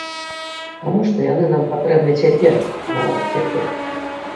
Таму што яны нам патрэбны цяпер, нават цяпер.